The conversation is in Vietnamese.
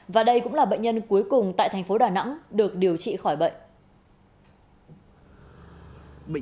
và đây cũng là bệnh nhân cuối cùng tại thành phố đà nẵng được điều trị khỏi bệnh